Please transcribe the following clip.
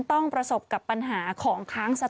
โดยมาตรการครั้งนี้ทำให้ผู้ประกอบการร้านอาหาร